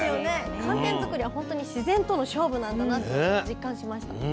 寒天作りは本当に自然との勝負なんだなって実感しました。